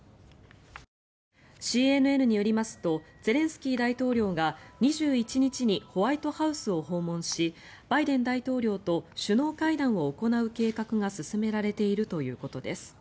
ＣＮＮによりますとゼレンスキー大統領が２１日にホワイトハウスを訪問しバイデン大統領と首脳会談を行う計画が進められているということです。